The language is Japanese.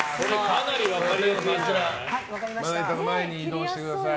まな板の前に移動してください。